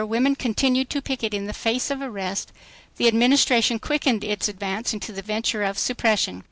women continued to picket in the face of arrest, the Administration quickened its advance into the venture of suppression.